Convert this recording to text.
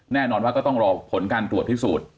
แน่นอนว่าก็ต้องรอผลการตรวจพิสูจน์